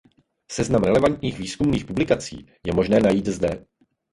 Seznam relevantních výzkumných publikací je možné najít zde.